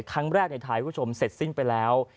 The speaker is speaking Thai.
ครั้งแรกในไทยคุณผู้ชมเสร็จสิ้นไปแล้ว